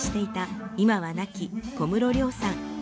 今は亡き小室良さん。